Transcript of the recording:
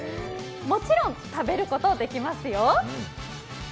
もちろん食べることもできますよ。